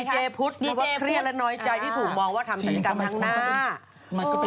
เจพุทธบอกว่าเครียดและน้อยใจที่ถูกมองว่าทำศัลยกรรมข้างหน้า